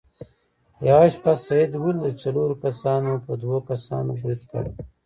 یوه شپه سید ولیدل چې څلورو کسانو په دوو کسانو برید کړی.